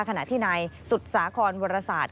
ขณะที่นายสุดสาคอนวรษาติ